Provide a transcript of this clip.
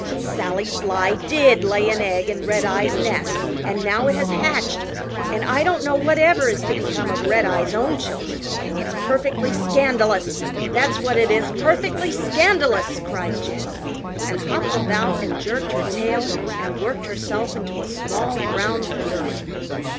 "Sally Sly DID lay an egg in Redeye's nest, and now it has hatched and I don't know whatever is to become of Redeye's own children. It's perfectly scandalous! That's what it is, perfectly scandalous!" cried Jenny, and hopped about and jerked her tail and worked herself into a small brown fury.